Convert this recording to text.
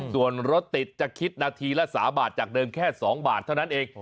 ส่วนรถติดจะคิดนาทีละ๓บาทจากเดิมแค่๒บาทเท่านั้นเอง